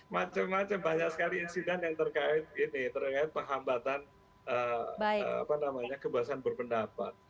macem macem banyak sekali insiden yang terkait ini terkait penghambatan apa namanya kebebasan berpendapat